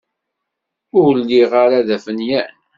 Ur lliɣ ara d afenyan.